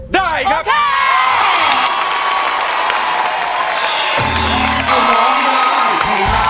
ได้ครับ